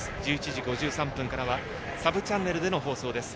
１１時５３分からはサブチャンネルでの放送です。